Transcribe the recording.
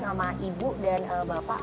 sama ibu dan bapak